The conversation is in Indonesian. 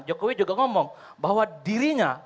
jokowi juga ngomong bahwa dirinya